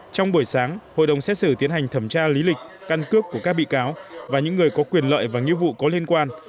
trong buổi sáng hội đồng xét xử tiến hành thẩm tra lý lịch căn cước của các bị cáo và những người có quyền lợi và nghĩa vụ có liên quan